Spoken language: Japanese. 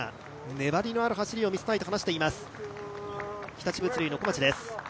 粘りのある走りを見せたいと話しています、日立物流の小町です。